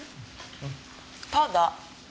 ただ。